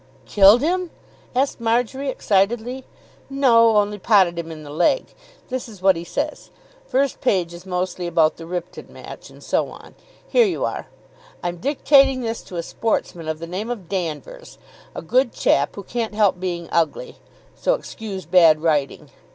"Killed him?" asked Marjory excitedly. "No. Only potted him in the leg. This is what he says. First page is mostly about the Ripton match and so on. Here you are. 'I'm dictating this to a sportsman of the name of Danvers, a good chap who can't help being ugly, so excuse bad writing.